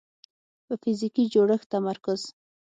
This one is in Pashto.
په فزیکي جوړښت تمرکز